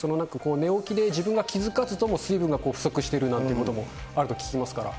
寝起きで自分が気付かずとも水分が不足しているなんていうこともあると聞きますから。